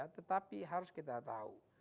tetapi harus kita tahu